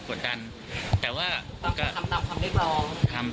แต่ว่าต้องทำตามคำดักรอง